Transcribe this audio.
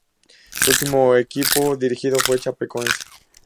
Su último equipo dirigido fue Chapecoense.